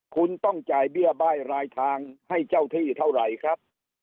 คุณต้องจ่ายเบี้ยบ้ายรายทางให้เจ้าที่เท่าไหร่ครับ